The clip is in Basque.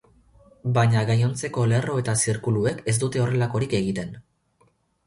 Baina gainontzeko lerro eta zirkuluek ez dute horrelakorik egiten.